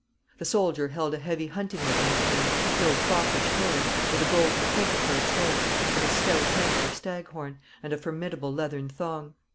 The soldier held a heavy hunting whip in his hand no foppish toy, with a golden trinket for its head, but a stout handle of stag horn, and a formidable leathern thong.